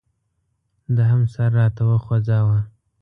ده هم سر راته وخوځاوه.